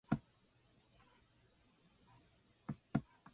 The bore is the diameter of the circular chambers cut into the cylinder block.